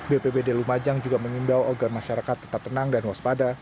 bpbd lumajang juga mengimbau agar masyarakat tetap tenang dan waspada